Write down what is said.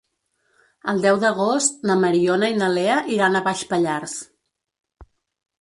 El deu d'agost na Mariona i na Lea iran a Baix Pallars.